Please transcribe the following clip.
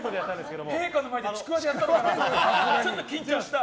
陛下の前でちくわでやったのかと思った。